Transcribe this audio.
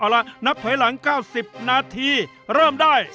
เอาล่ะนับถอยหลัง๙๐นาทีเริ่มได้